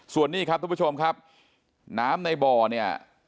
ส่วนนี้ครับทุกผู้ชมครับน้ำในบ่อเนี่ย